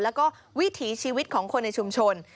แล้วก็วิถีชีวิตของคนในชุมชน